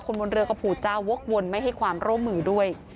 บนเรือก็ผูเจ้าวกวนไม่ให้ความร่วมมือด้วย